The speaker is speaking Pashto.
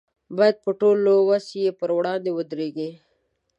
باید په ټول وس یې پر وړاندې ودرېږي.